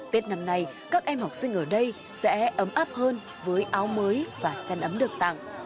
tết năm nay các em học sinh ở đây sẽ ấm áp hơn với áo mới và chăn ấm được tặng